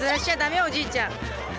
おじいちゃん。